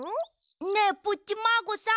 ねえプッチマーゴさん！